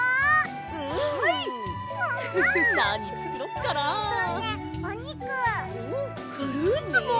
フルーツも！